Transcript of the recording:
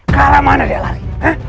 kala mana dia lagi